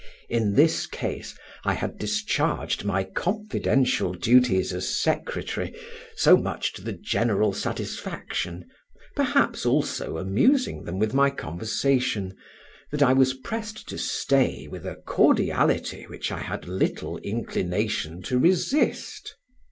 In this case I had discharged my confidential duties as secretary so much to the general satisfaction, perhaps also amusing them with my conversation, that I was pressed to stay with a cordiality which I had little inclination to resist.